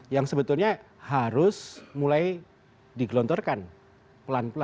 yang sebetulnya harus mulai digelontorkan pelan pelan